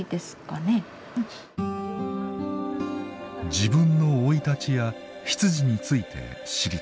「自分の生い立ちや出自について知りたい」。